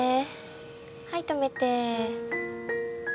はい止めて。